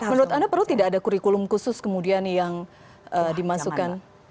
menurut anda perlu tidak ada kurikulum khusus kemudian yang dimasukkan